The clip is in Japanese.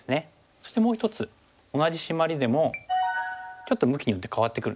そしてもう１つ同じシマリでもちょっと向きによって変わってくるんですね。